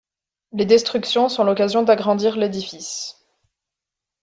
Les destructions sont l’occasion d’agrandir l’édifice.